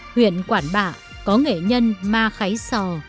huyện quản bạ có nghệ nhân ma khái sò